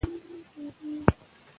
د جملې ترتيب ډېر مهم دی.